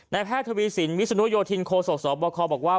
แพทย์ทวีสินวิศนุโยธินโคศกสบคบอกว่า